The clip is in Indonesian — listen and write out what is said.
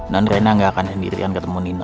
nondrena gak akan sendirian ketemu nino